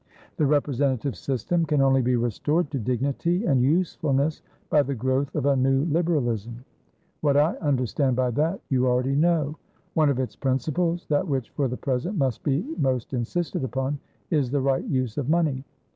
The representative system can only be restored to dignity and usefulness by the growth of a new Liberalism. What I understand by that, you already know. One of its principlesthat which for the present must be most insisted uponis the right use of money.